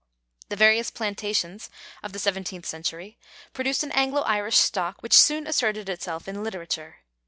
The various plantations of the seventeenth century produced an Anglo Irish stock which soon asserted itself in literature.